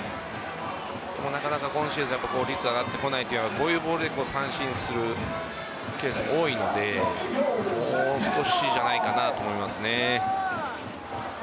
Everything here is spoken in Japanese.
でも、なかなか今シーズン率が上がってこないというのはこういうボールで三振するケースが多いのでもう少しじゃないかなと思いますね。